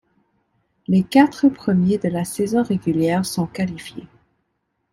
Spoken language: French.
Les quatre premiers de la saison régulière sont qualifiés.